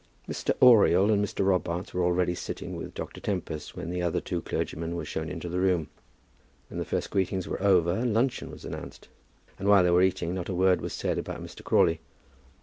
Mr. Oriel and Mr. Robarts were already sitting with Dr. Tempest when the other two clergymen were shown into the room. When the first greetings were over luncheon was announced, and while they were eating not a word was said about Mr. Crawley.